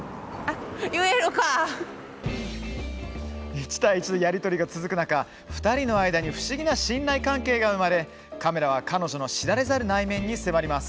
１対１のやり取りが続く中２人の間に不思議な信頼関係が生まれカメラは彼女の知られざる内面に迫ります。